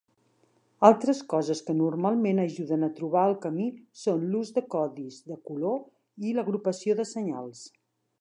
Altres coses que normalment ajuden a trobar el camí són l'ús de codis de color i l'agrupació de senyals.